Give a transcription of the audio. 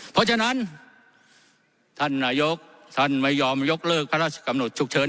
เพราะฉะนั้นท่านนายกท่านไม่ยอมยกเลิกพระราชกำหนดฉุกเฉิน